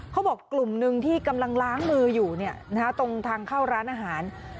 กลุ่มหนึ่งที่กำลังล้างมืออยู่ตรงทางเข้าร้านอาหาร